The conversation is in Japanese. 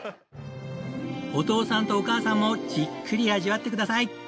お父さんとお母さんもじっくり味わってください。